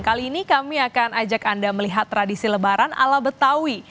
kali ini kami akan ajak anda melihat tradisi lebaran ala betawi